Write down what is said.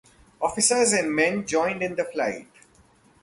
Officers and men joined in the flight.